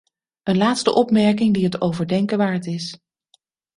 Een laatste opmerking die het overdenken waard is.